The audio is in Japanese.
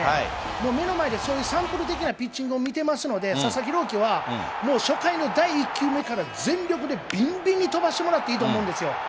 もう目の前でそういうサンプル的なピッチングを見てますので、佐々木朗希は、もう初回の第１球目から全力でびんびんに飛ばしてもらっていいと思うんですよ。